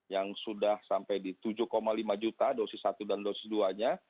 yang sudah sampai di tujuh lima juta dosis satu dan dosis dua nya